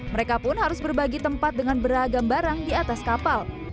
mereka pun harus berbagi tempat dengan beragam barang di atas kapal